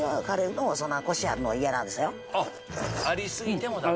あり過ぎてもダメ？